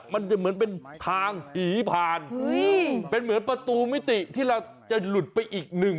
มันจะเหมือนเป็นทางผีผ่านเป็นเหมือนประตูมิติที่เราจะหลุดไปอีกหนึ่ง